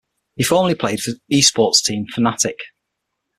He formerly played for esports team Fnatic.